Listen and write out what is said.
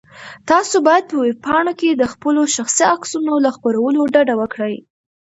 تاسو باید په ویبپاڼو کې د خپلو شخصي عکسونو له خپرولو ډډه وکړئ.